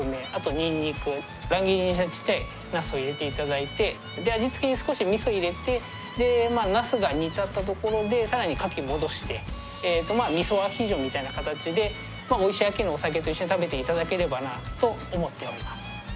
ニンニク乱切りにしたちっちゃいナスを入れていただいて味付けに少し味噌入れてでナスが煮立ったところで更にかき戻して味噌アヒージョみたいな形でおいしい秋のお酒と一緒に食べていただければなと思っております。